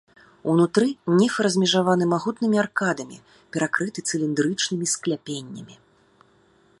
Унутры нефы размежаваны магутнымі аркадамі, перакрыты цыліндрычнымі скляпеннямі.